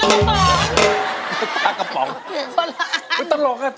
ตลกอีกครั้งอีกแล้ว